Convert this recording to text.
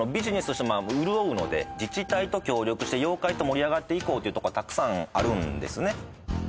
自治体と協力して妖怪と盛り上がっていこうというとこはたくさんあるんですね